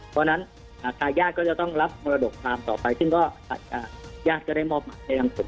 เพราะฉะนั้นทายาทก็จะต้องรับมรดกตามต่อไปซึ่งก็ญาติก็ได้มอบหมายไปทางผม